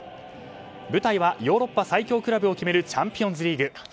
舞台はヨーロッパ最強クラブを決めるチャンピオンズリーグ。